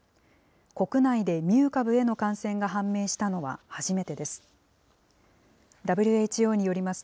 国内でミュー株への感染が判明したのは初めてです。